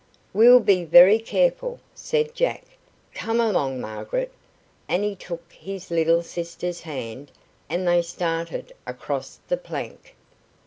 "We'll be very careful," said Jack. "Come along, Margaret," and he took his little sister's hand and they started across the plank.